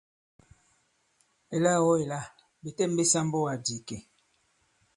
Èlâ-o èla! Ɓè têm ɓe sāmbu àdì ìkè.